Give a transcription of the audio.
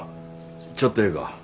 ちょっとええか？